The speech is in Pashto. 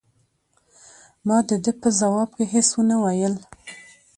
ما د ده په ځواب کې هیڅ ونه ویل.